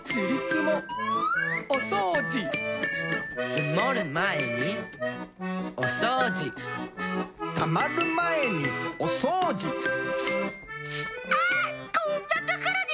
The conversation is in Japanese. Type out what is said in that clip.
つもるまえにおそうじたまるまえにおそうじあっこんなところに！